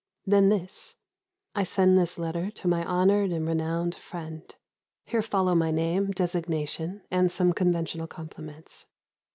Then this: "I send this letter to my honoured and renowned friend" (here follow my name, designation, and some conventional compliments).